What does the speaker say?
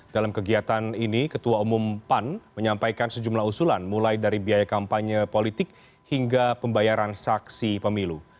dalam kegiatan ini ketua umum pan menyampaikan sejumlah usulan mulai dari biaya kampanye politik hingga pembayaran saksi pemilu